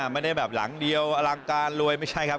ไม่ได้แบบหลังเดียวอลังการรวยไม่ใช่ครับ